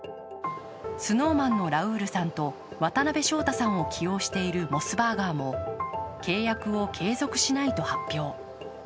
ＳｎｏｗＭａｎのラウールさんと渡辺翔太さんを起用しているモスバーガーも契約を継続しないと発表。